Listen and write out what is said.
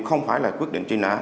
không phải là quyết định truy nã